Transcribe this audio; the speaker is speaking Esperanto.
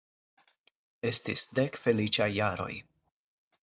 Estis dek feliĉaj jaroj.